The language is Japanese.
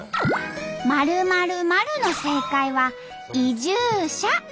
「○○○」の正解は「移住者」。